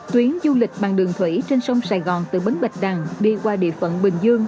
tuyến du lịch bằng đường thủy trên sông sài gòn từ bến bạch đằng đi qua địa phận bình dương